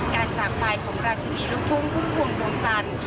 จากไปของราชินีลูกทุ่งพุ่มพวงดวงจันทร์